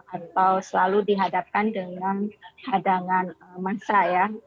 atau selalu dihadapkan dengan hadangan mantra ya